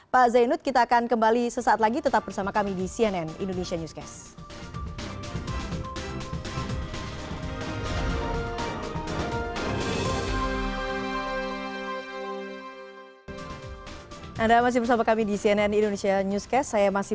pak zainud kita akan kembali sesaat lagi tetap bersama kami di cnn indonesia newscast